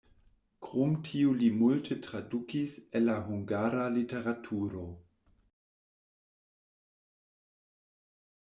Krom tiu li multe tradukis el la hungara literaturo.